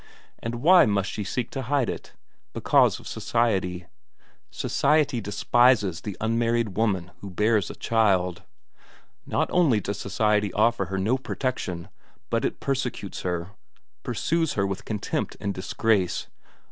And why must she seek to hide it? Because of society. Society despises the unmarried woman who bears a child. Not only does society offer her no protection, but it persecutes her, pursues her with contempt and disgrace.